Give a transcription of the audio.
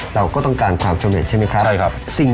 เราก็ต้องการความเห็นส์ใช่มั้ยครับ